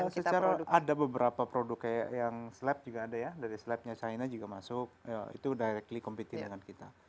secara ada beberapa produk kayak yang slab juga ada ya dari slabnya china juga masuk itu directly competite dengan kita